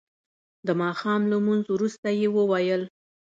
د ماښام لمونځ وروسته یې وویل.